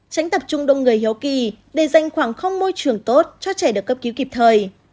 tránh tập trung đông người hiếu kỳ để dành khoảng không môi trường tốt cho trẻ được cấp cứu kịp thời